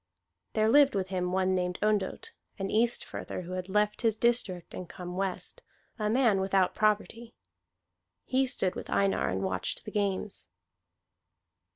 There lived with him one named Ondott, an Eastfirther who had left his district and come west, a man without property. He stood with Einar and watched the games.